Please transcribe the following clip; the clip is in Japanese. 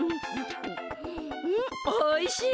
んおいしい！